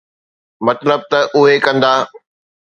مطلب ته اهي ڪندا.